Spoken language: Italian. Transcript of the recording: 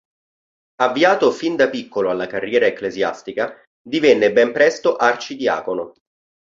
Avviato fin da piccolo alla carriera ecclesiastica, divenne ben presto arcidiacono.